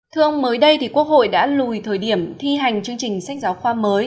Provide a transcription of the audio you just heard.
thưa ông mới đây quốc hội đã lùi thời điểm thi hành chương trình sách giáo khoa mới